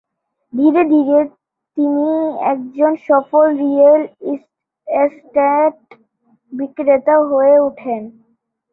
ধীরে ধীরে, তিনি একজন সফল রিয়েল এস্টেট বিক্রেতা হয়ে উঠেন।